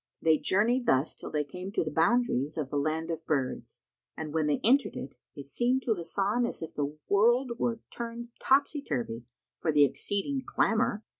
They journeyed thus till they came to the boundaries of the Land of Birds[FN#129] and when they entered it, it seemed to Hasan as if the world were turned topsy turvy for the exceeding clamour.